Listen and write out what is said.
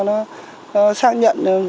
nó xác nhận